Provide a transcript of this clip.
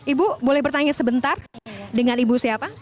ibu boleh bertanya sebentar dengan ibu siapa